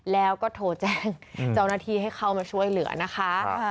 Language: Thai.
แล้วก็โทรแจ้งเจ้าหน้าที่ให้เข้ามาช่วยเหลือนะคะ